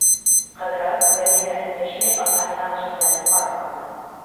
Ҡыҙырас, бер ни ҙә өндәшмәй, атаһына ғәжәпләнеп ҡарап ҡалды.